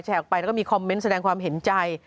ออกไปแล้วก็มีคอมเมนต์แสดงความเห็นใจ